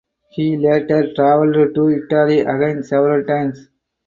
He later travelled to Italy again several times.